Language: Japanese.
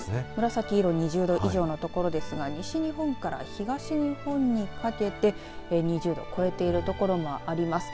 紫色２０度以上の所ですが西日本から東日本にかけて２０度、超えている所もあります。